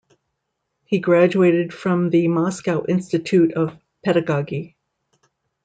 He graduated from the Moscow Institute of Pedagogy.